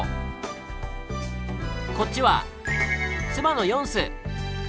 こっちは妻のヨンス。